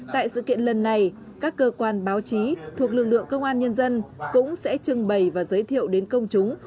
tại sự kiện lần này các cơ quan báo chí thuộc lực lượng công an nhân dân cũng sẽ trưng bày và giới thiệu đến công chúng